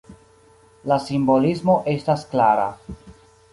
La simbolismo estas klara.